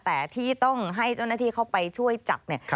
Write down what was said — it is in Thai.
แต่ที่ต้องให้เจ้าหน้าที่เข้าไปช่วยจับเนี่ย